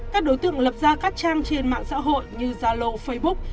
các đối tượng lập ra các trang trên mạng xã hội như zalo facebook